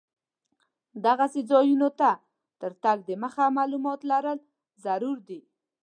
دغسې ځایونو ته تر تګ دمخه معلومات لرل ضرور دي.